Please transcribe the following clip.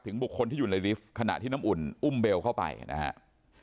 บุคคลที่อยู่ในลิฟต์ขณะที่น้ำอุ่นอุ้มเบลเข้าไปนะครับ